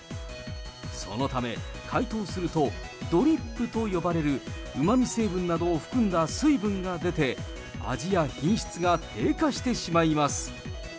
そのため、解凍すると、ドリップと呼ばれる、うまみ成分などを含んだ水分が出て、味や品質が低下してしまいます。